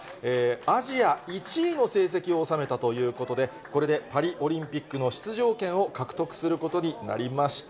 アジア１位の成績を収めたということで、これでパリオリンピックの出場権を獲得することになりました。